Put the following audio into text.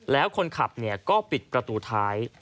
แล้วคนขับก็ปิดประตูท้าย